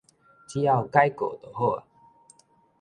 只要改過就好矣